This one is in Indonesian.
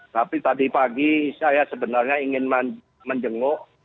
tapi tadi pagi saya sebenarnya ingin menjenguk